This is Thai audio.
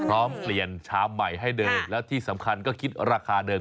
พร้อมเปลี่ยนชามใหม่ให้เดินแล้วที่สำคัญก็คิดราคาเดิม